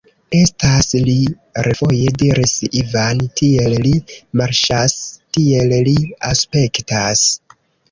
Estas li!refoje diris Ivan, tiel li marŝas, tiel li aspektas.